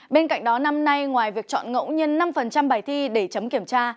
bên cạnh đó năm nay ngoài việc chọn ngẫu nhân năm bài thi để chấm kiểm tra